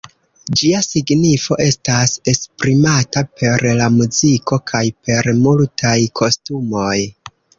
Ĝia signifo estas esprimata per la muziko kaj per multaj kostumoj.